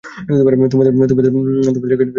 তোমাদের উপায় তোমাদেরই উদ্ভাবন করতে হবে।